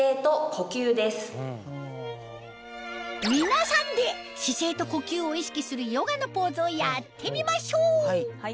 皆さんで姿勢と呼吸を意識するヨガのポーズをやってみましょう！